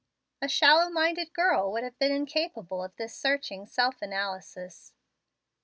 A shallow minded girl would have been incapable of this searching self analysis.